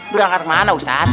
berangkat kemana ustadz